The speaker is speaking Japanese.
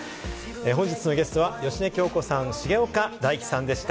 本日のゲストは芳根京子さん、重岡大毅さんでした。